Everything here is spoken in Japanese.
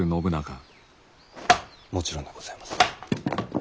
もちろんでございます。